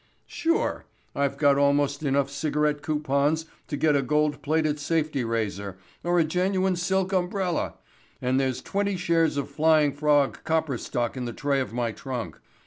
"Sure. I've got almost enough cigarette coupons to get a gold plated safety razor or a genuine silk umbrella, and there's 20 shares of Flying Frog copper stock in the tray of my trunk.